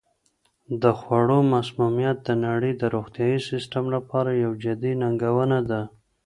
د خوړو مسمومیت د نړۍ د روغتیايي سیستم لپاره یوه جدي ننګونه ده.